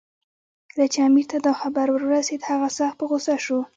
کله چې امیر ته دا خبر ورسېد، هغه سخت په غوسه شو.